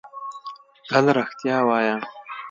تل رښتیا وایۀ!